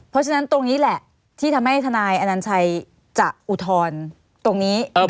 เพราะฉะนั้นตรงนี้แหละที่ทำให้ทนายอนัญชัยจะอุทธรณ์ตรงนี้